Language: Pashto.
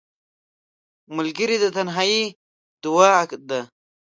ملګری د تنهایۍ دواء ده